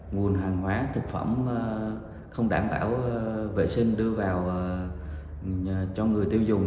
nguồn hàng hóa thực phẩm không đảm bảo vệ sinh đưa vào cho người tiêu dùng